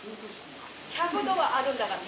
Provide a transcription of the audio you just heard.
１００℃はあるんだかんね。